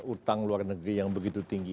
utang luar negeri yang begitu tinggi